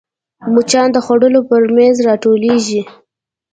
مچان د خوړو پر میز راټولېږي